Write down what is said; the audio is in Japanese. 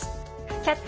「キャッチ！